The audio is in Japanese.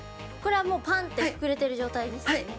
これはもうパンってふくれてる状態ですよね。